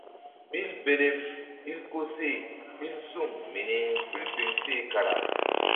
Ɓil belem ɓil koseh ɓil suŋ mini birbiŋ seh kara.